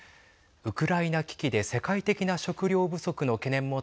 ウクライナ危機で世界的な食料不足の懸念も